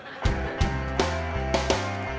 banyak rumah tapi sepi